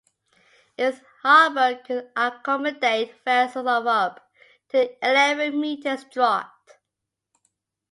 Its harbor could accommodate vessels of up to eleven meters' draught.